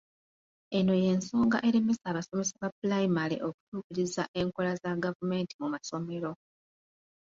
Eno y'ensonga eremesa abasomesa ba pulayimale okutuukiriza enkola za gavumenti mu masomero.